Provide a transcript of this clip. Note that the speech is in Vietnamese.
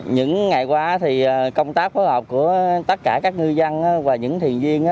những ngày qua thì công tác phối hợp của tất cả các ngư dân và những thiền viên